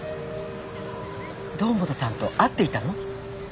堂本さんと会っていたの？